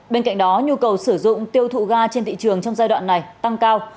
bên cạnh đó nhu cầu sử dụng tiêu thụ ga trên thị trường trong giai đoạn này tăng cao